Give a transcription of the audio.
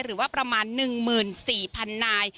หรือว่าประมาณ๑หมื่น๔พันนาย